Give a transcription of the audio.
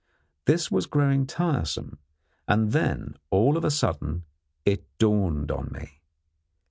This was growing tiresome, and then, all of a sudden, it dawned on me.